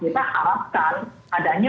sehingga itu yang salah satu penyebabnya